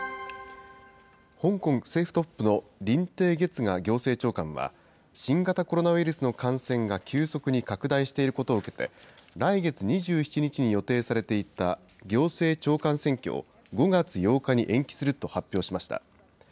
香港政府トップの林鄭月娥行政長官は、新型コロナウイルスの感染が急速に拡大していることを受けて、来月２７日に予定されていた行政長官選挙を、５月８日に延期すると発表しました。